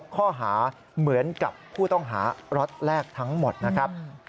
ข้อหาเหมือนกับผู้ต้องหาล็อตแรกทั้งหมดนะครับ